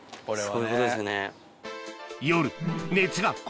そういうことですよね。